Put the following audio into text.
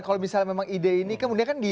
kalau misalnya memang ide ini kemudian kan